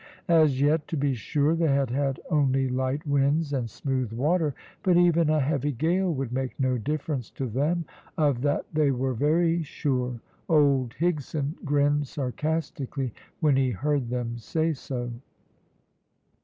As yet, to be sure, they had had only light winds and smooth water, but even a heavy gale would make no difference to them, of that they were very sure. Old Higson grinned sarcastically when he heard them say so.